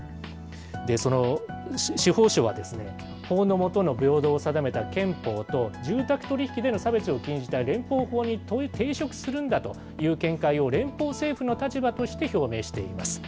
その司法省は、法の下の平等を定めた憲法と、住宅取引での差別を禁じた連邦法に抵触するんだという見解を連邦政府の立場として表明しています。